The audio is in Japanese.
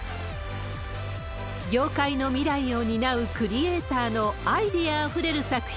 業界の未来を担うクリエーターのアイデアあふれる作品